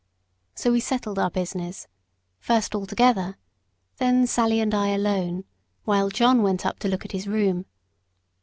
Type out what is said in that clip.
So we settled our business, first all together, then Sally and I alone, while John went up to look at his room.